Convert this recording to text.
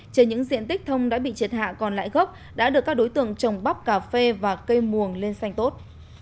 trên những diện tích thông đã bị triệt hạ còn lại gốc đã được các đối tượng trồng bắp cà phê và cây mồng lên xanh tốt